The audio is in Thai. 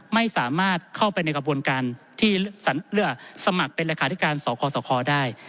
ไม่สามารถเข้าไปในกระบวนการที่สมัครเป็นเลขาธิการสคสคได้